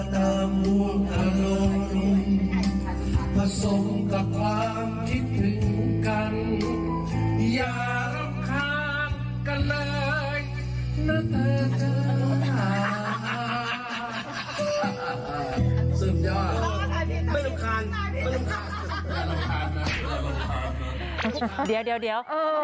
นาตาเธอสุดยอดสุดยอด